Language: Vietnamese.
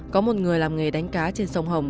có một người làm nghề đánh cá trên sông hồng